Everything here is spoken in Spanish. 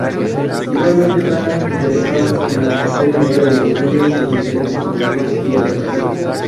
Igualmente, está interesada en la materia negra y estudia sus diferentes modelos y alternativas.